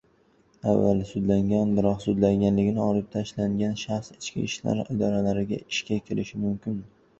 Avval sudlangan biroq sudlanganligi olib tashlangan shaxs ichki ishlar idoralariga ishga kirishi mumkinmi?